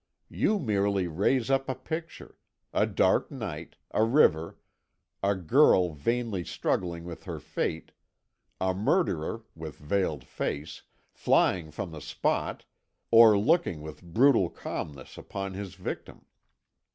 You merely raise up a picture a dark night, a river, a girl vainly struggling with her fate, a murderer (with veiled face) flying from the spot, or looking with brutal calmness upon his victim.